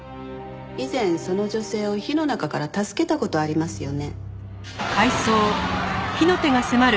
以前その女性を火の中から助けた事ありますよね？